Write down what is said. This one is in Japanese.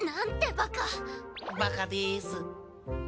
バカです。